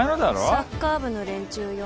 サッカー部の連中よ。